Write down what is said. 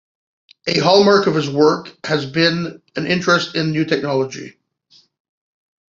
A hallmark of his work has been an interest in new technology.